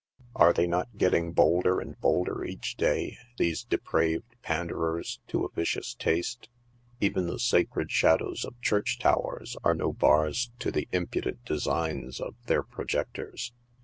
Are they not getting bolder and bolder each day, these depraved panderers to a vicious taste ? Even the sacred shadows of church towers are no bars to the impudent designs of their projectors.